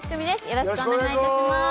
よろしくお願いします。